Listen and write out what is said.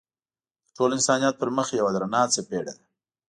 د ټول انسانیت پر مخ یوه درنه څپېړه ده.